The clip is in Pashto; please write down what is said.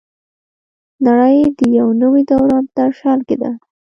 نړۍ د یو نوي دوران په درشل کې ده.